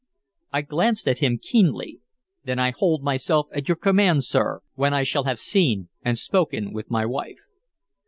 I glanced at him keenly. "Then I hold myself at your command, sir, when I shall have seen and spoken with my wife."